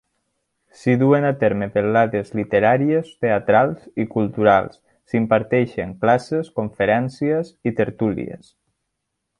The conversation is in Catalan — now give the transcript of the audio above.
S'hi duen a terme: vetllades literàries, teatrals i culturals, s'imparteixen classes, conferències i tertúlies.